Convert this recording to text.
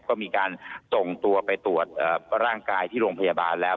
ก็มีการส่งตัวไปตรวจร่างกายที่โรงพยาบาลแล้ว